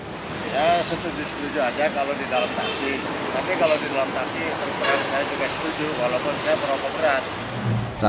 saya setuju setuju aja kalau di dalam taksi tapi kalau di dalam taksi terus terang saya juga setuju walaupun saya merokok berat